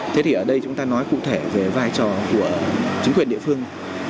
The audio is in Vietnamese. thế thì ở đây chúng ta nói cụ thể về vai trò của chính quyền địa phương